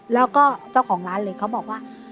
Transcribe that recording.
แล้วก็เจ้าของร้านเลยเขาบอกว่า